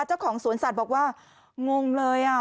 เจ้าของสวนสัตว์บอกว่างงเลย